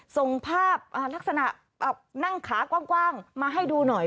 ส่งภาพลักษณะนั่งขากว้างมาให้ดูหน่อย